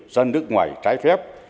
ra nước ngoài trái phép